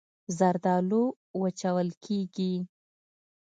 زردالو وچول کېږي.